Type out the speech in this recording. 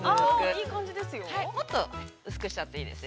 ◆いい感じですよ。